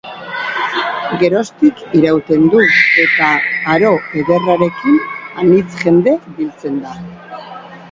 Geroztik irauten du eta, aro ederrarekin, anitz jende biltzen da.